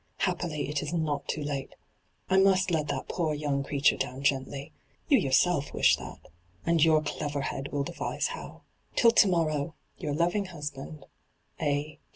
Happily, it is not too late. I must let that poor young creature flown gently — you yourself wish that — and your clever head will devise how. Till to morrow I ' Your loving husband, ' A.